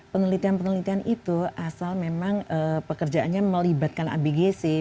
penelitian penelitian itu asal memang pekerjaannya melibatkan abgc